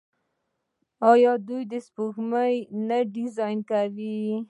آیا دوی سپوږمکۍ نه ډیزاین کوي؟